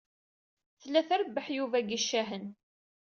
Tella trebbeḥ Yuba deg yicahen.